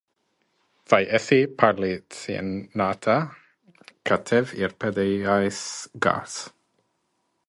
Vai esi pārliecināta, ka tev ir pēdējais gars?